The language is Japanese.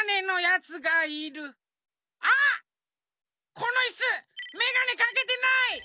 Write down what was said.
このイスメガネかけてない！